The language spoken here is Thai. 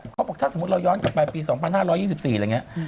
เขาบอกถ้าสมมุติเราย้อนกลับไปปี๒๕๒๔อะไรอย่างนี้